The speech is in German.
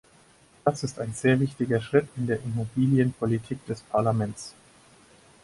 Das ist ein sehr wichtiger Schritt in der Immobilienpolitik des Parlaments.